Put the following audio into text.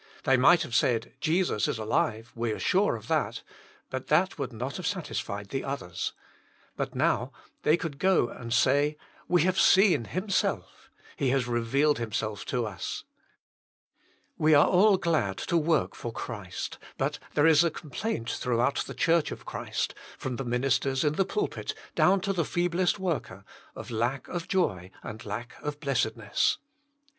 They might have said, «< Jesus is alive. We are sure of that, " but that would not have satisfied the others. But they could now go and say, '' Tme bave eeen l)fm0elt* He has revealed Himself to us." We are all glad to work for Christ, but there is a complaint throughout the Church of Christ, from the ministers in the pulpit down to the feeblest worker, of lack of joy and lack of blessedness.